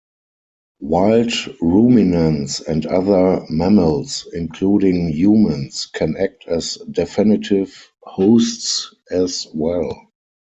Wild ruminants and other mammals, including humans, can act as definitive hosts as well.